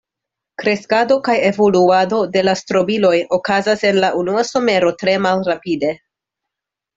Kreskado kaj evoluado de la strobiloj okazas en la unua somero tre malrapide.